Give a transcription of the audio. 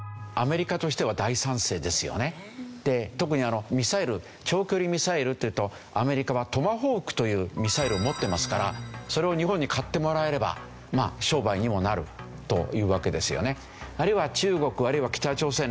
特にミサイル長距離ミサイルっていうとアメリカはトマホークというミサイルを持ってますからそれを日本に買ってもらえれば商売にもなるというわけですよね。